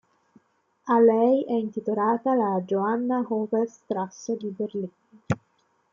A lei è intitolata la "Johanna-Hofer Straße" di Berlino.